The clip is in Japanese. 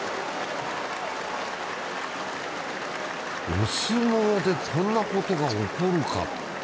お相撲でこんなことが起こるかと。